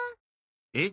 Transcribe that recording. えっ？